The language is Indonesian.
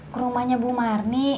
ke rumahnya bu marni